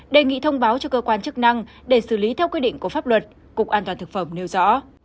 đề nghị thông báo cho cơ quan chức năng để xử lý theo quy định của pháp luật cục an toàn thực phẩm nêu rõ